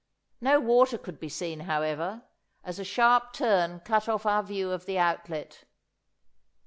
No water could be seen, however, as a sharp turn cut off our view of the outlet.